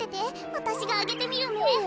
わたしがあげてみるね。